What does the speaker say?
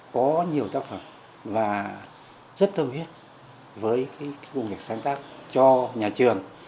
có nhiều tác phẩm và rất thơm huyết với cái công nghệ sáng tác cho nhà trường